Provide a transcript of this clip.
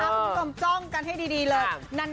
มึงต้องจ้องกันให้ดีเลย